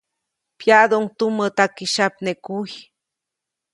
Pyaʼduʼuŋ tumä takisyapnekuy.